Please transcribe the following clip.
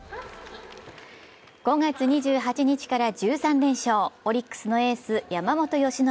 ５月２８日から１３連勝、オリックスのエース・山本由伸。